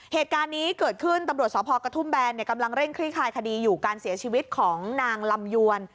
เหตุการณ์นี้เกิดขึ้นตำรวจสพกระทุ่มแบนกำลังเร่งคลี่คลายคดีอยู่การเสียชีวิตของนางลำยวน